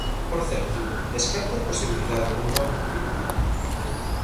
Por certo, descarta a posibilidade dun novo confinamento.